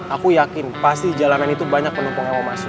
aku yakin pasti jalanan itu banyak penumpang yang mau masuk